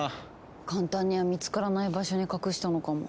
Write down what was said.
簡単には見つからない場所に隠したのかも。